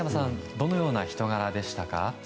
どのような人柄でしたか？